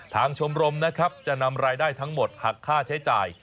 ชมรมนะครับจะนำรายได้ทั้งหมดหักค่าใช้จ่าย